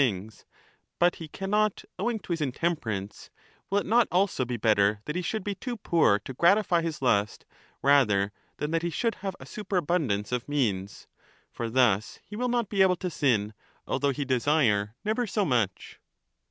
*ss' things, but he cannot owing to his intemperance, will it not Erasistra also be better that he should be too poor to gratify his lust Tus rather than that he should have a superabundance of means? For thus he will not be able to sin, although he desire never so much.